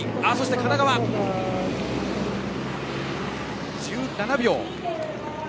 神奈川、１７秒。